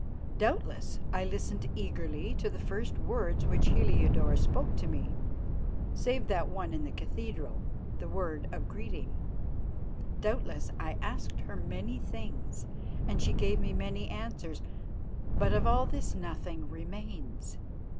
Doubtless, I listened eagerly to the first words which Heliodore spoke to me, save that one in the cathedral, the word of greeting. Doubtless, I asked her many things, and she gave me many answers. But of all this nothing remains.